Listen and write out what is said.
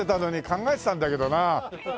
考えてたんだけどな。